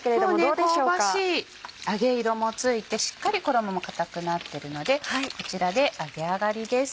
もうね香ばしい揚げ色もついてしっかり衣も硬くなってるのでこちらで揚げ上がりです。